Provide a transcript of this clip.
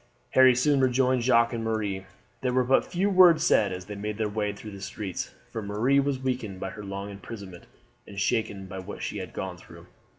Harry soon rejoined Jacques and Marie. There were but few words said as they made their way through the streets, for Marie was weakened by her long imprisonment, and shaken by what she had gone through.